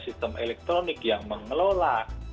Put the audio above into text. sistem elektronik yang mengelola